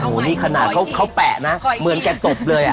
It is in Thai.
โอ้โหนี่ขนาดเขาแปะนะเหมือนแกตบเลยอ่ะ